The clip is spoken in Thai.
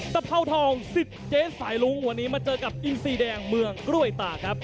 เผาทองสิทธิ์เจ๊สายลุ้งวันนี้มาเจอกับอินซีแดงเมืองกล้วยตากครับ